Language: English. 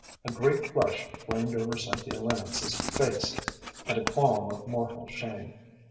A great flush flamed over Cynthia Lennox's face, and a qualm of mortal shame.